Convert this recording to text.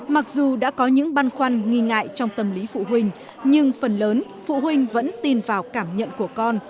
mặc dù đã có những băn khoăn nghi ngại trong tâm lý phụ huynh nhưng phần lớn phụ huynh vẫn tin vào cảm nhận của con